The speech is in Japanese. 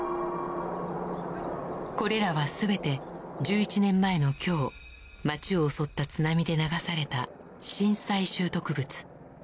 これらは全て１１年前の今日街を襲った津波で流された震災拾得物。